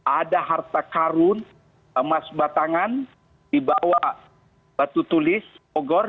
ada harta karun emas batangan dibawa batu tulis ogor